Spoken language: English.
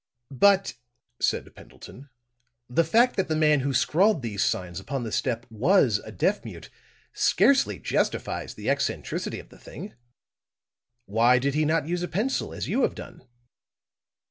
"But," said Pendleton, "the fact that the man who scrawled these signs upon the step was a deaf mute, scarcely justifies the eccentricity of the thing. Why did he not use a pencil, as you have done?"